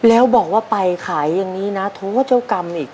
แล้วบอกว่าไปขายอย่างนี้นะโทษเจ้ากรรมอีก